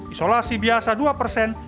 isolasi biasa dua persen